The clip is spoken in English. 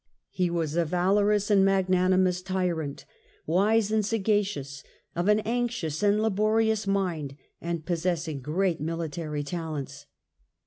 He was a valorous and magnanimous tyrant, wise and sagacious, of an anxious and laborious mind and possessing great military talents.